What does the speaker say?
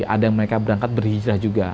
ada yang mereka berangkat berhijrah juga